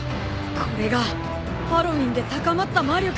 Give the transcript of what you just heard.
これがハロウィーンで高まった魔力。